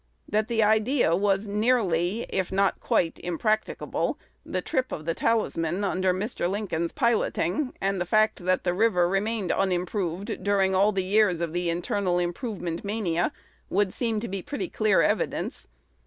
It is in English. That the idea was nearly, if not quite impracticable, the trip of "The Talisman" under Mr. Lincoln's piloting, and the fact that the river remained unimproved during all the years of the "internal improvement" mania, would seem to be pretty clear evidence.